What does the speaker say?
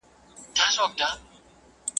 o لکه د خره په غوږ کي چي ياسين وائې.